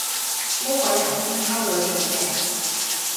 呢位人兄溝女仲勁